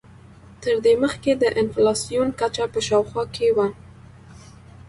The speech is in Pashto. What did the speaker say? تر دې مخکې د انفلاسیون کچه په شاوخوا کې وه.